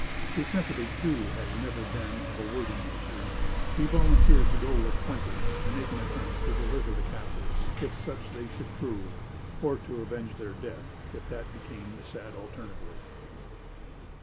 His sympathy, too, has never been of a wordy nature. He volunteered to go with Fuentes and make an attempt to deliver the captives, if such they should prove, or to avenge their death, if that became the sad alternative.